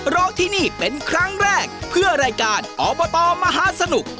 ร้องที่นี่เป็นครั้งแรกเพื่อรายการอบตมหาสนุก